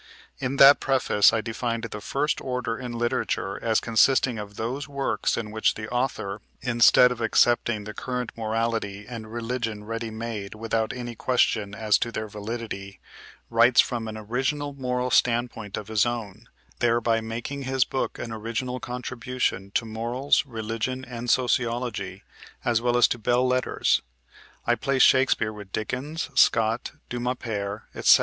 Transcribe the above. In that preface I define the first order in Literature as consisting of those works in which the author, instead of accepting the current morality and religion ready made without any question as to their validity, writes from an original moral standpoint of his own, thereby making his book an original contribution to morals, religion, and sociology, as well as to belles letters. I place Shakespeare with Dickens, Scott, Dumas père, etc.